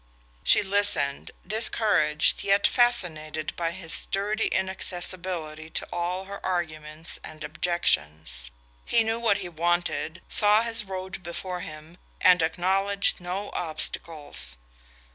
She listened, discouraged yet fascinated by his sturdy inaccessibility to all her arguments and objections. He knew what he wanted, saw his road before him, and acknowledged no obstacles.